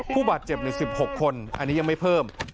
ผู้บาดเจ็บใน๑๖คนอันนี้ยังไม่เพิ่ม